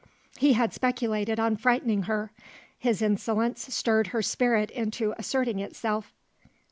He had speculated on frightening her. His insolence stirred her spirit into asserting itself.